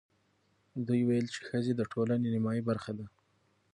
دوی ویل چې ښځې د ټولنې نیمايي برخه ده.